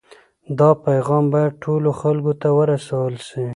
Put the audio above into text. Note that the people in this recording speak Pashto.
دا پیغام باید ټولو خلکو ته ورسول سي.